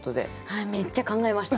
はいめっちゃ考えました。